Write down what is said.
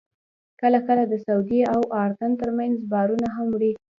کله کله د سعودي او اردن ترمنځ هم بارونه وړي.